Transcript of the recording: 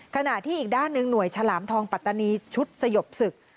ขณะที่อีกด้านหนึ่งหน่วยฉลามทองปัตตานีชุดสยบศึก